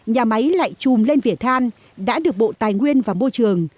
nhà máy lại trùm lên vỉa than đã được bộ tài nguyên và môi trường